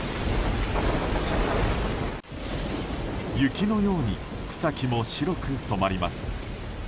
雪のように草木も白く染まります。